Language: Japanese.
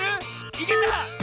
いけた！